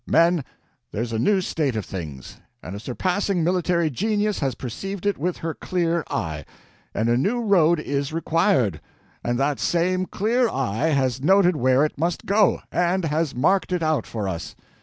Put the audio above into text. Men, there's a new state of things; and a surpassing military genius has perceived it with her clear eye. And a new road is required, and that same clear eye has noted where it must go, and has marked it out for us.